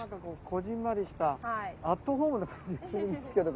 こぢんまりしたアットホームな感じがするんですけれども。